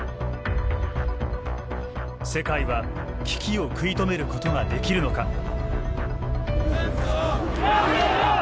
世界は危機を食い止めることができるのか。